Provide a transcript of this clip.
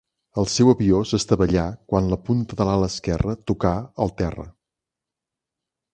El seu avió s'estavellà quan la punta de l'ala esquerra tocà el terra.